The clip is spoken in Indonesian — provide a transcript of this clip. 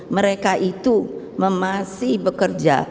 mereka itu masih bekerja